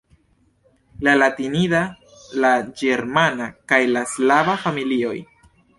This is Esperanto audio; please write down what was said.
la latinida, la ĝermana kaj la slava familioj.